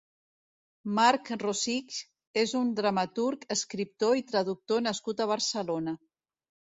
Marc Rosich és un dramaturg, escriptor i traductor nascut a Barcelona.